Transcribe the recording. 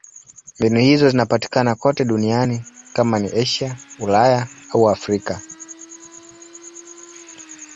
Mbinu hizo zinapatikana kote duniani: kama ni Asia, Ulaya au Afrika.